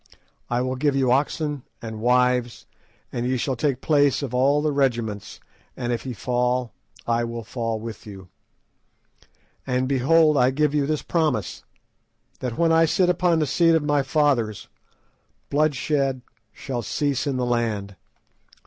I will give you oxen and wives, and ye shall take place of all the regiments; and if ye fall, I will fall with you. "And behold, I give you this promise, that when I sit upon the seat of my fathers, bloodshed shall cease in the land.